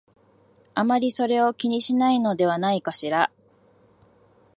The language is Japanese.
あまりそれを気にしないのではないかしら